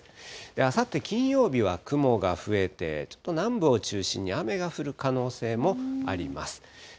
あさって金曜日は雲が増えて、ちょっと南部を中心に雨が降る可能性もあります。